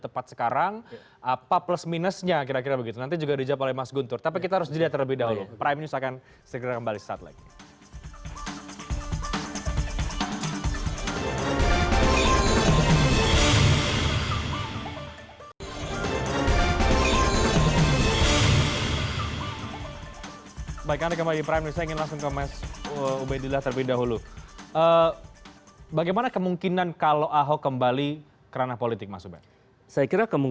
terima kasih terima kasih